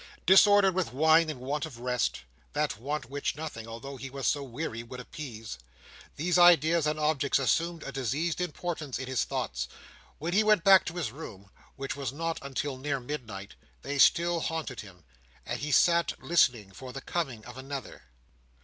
Disordered with wine and want of rest—that want which nothing, although he was so weary, would appease—these ideas and objects assumed a diseased importance in his thoughts. When he went back to his room, which was not until near midnight, they still haunted him, and he sat listening for the coming of another.